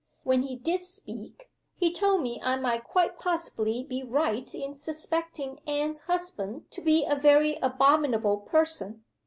When he did speak, he told me I might quite possibly be right in suspecting Anne's husband to be a very abominable person.